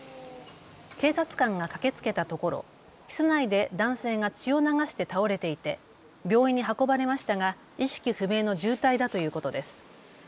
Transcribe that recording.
警察官が駆けつけたところ室内で男性が血を流して倒れていて病院に運ばれましたが意識不明の重体だということです。